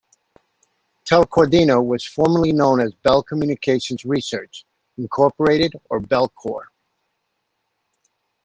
Telcordia was formerly known as Bell Communications Research, Incorporated or Bellcore.